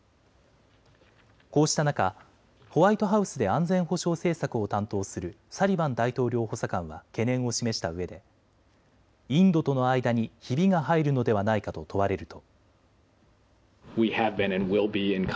こうした中、ホワイトハウスで安全保障政策を担当するサリバン大統領補佐官は懸念を示したうえでインドとの間にひびが入るのではないかと問われると。